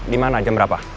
dimana jam berapa